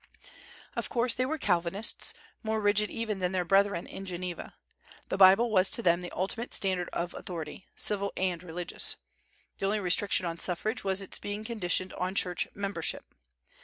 Of course they were Calvinists, more rigid even than their brethren in Geneva. The Bible was to them the ultimate standard of authority civil and religious. The only restriction on suffrage was its being conditioned on church membership.